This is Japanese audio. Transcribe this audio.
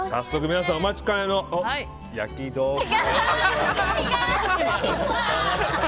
皆さんお待ちかねの焼き豆腐。